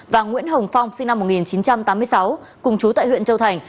và nguyễn hồng phong sinh năm một nghìn chín trăm tám mươi sáu cùng chú tại huyện châu thành